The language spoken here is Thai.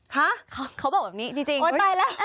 ฮะเขาบอกแบบนี้จริงโอ๊ยตายแล้ว